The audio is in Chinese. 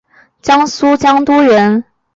江苏江都人。